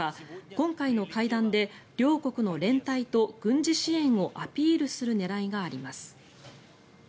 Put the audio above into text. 今回の会談で両国の連帯と軍事支援をアピールする狙いがあります。